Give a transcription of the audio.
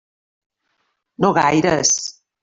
No gaires.